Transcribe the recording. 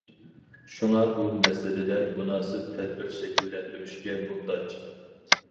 شۇڭا بۇ مەسىلىلەر مۇناسىپ تەدبىر شەكىللەندۈرۈشكە موھتاج.